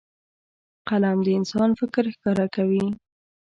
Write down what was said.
قلم د انسان فکر ښکاره کوي